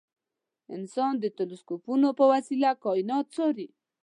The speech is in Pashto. انسان د تلسکوپونو په وسیله کاینات څاري.